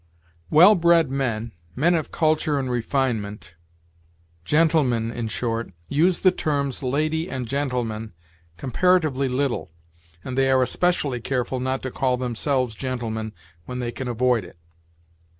Well bred men, men of culture and refinement gentlemen, in short use the terms lady and gentleman comparatively little, and they are especially careful not to call themselves gentlemen when they can avoid it.